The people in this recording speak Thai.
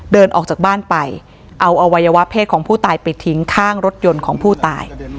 เดินออกจากบ้านไปเอาอวัยวะเพศของผู้ตายไปทิ้งข้างรถยนต์ของผู้ตาย